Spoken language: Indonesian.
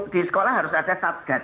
di sekolah harus ada sub gad